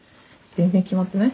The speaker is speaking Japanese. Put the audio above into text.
全然決まってない？